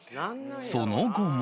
その後も